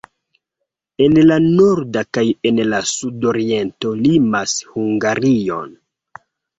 En la nordo kaj en la sudoriento limas Hungarion.